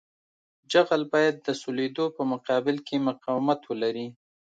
جغل باید د سولېدو په مقابل کې مقاومت ولري